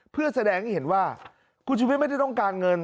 เพื่อแสดงให้เห็นว่าคุณชุวิตไม่ได้ต้องการเงิน